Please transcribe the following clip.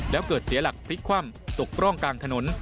แล้วเกิดเสียหลักพลิกคว่ำตกร่องกลางถนน